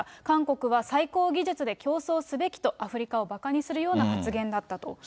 韓国は最高技術で競争すべきと、アフリカをばかにするような発言だったと。